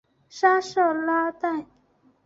沙瑟拉代。